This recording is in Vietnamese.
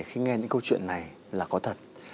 khi nghe những câu chuyện này là có thật